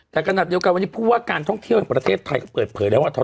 แต่ขณะเดียวกันวันนี้ผู้ว่าการท่องเที่ยวแห่งประเทศไทยก็เปิดเผยแล้วว่า